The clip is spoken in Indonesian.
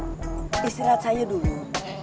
kau istirahat saya dulu